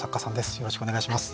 よろしくお願いします。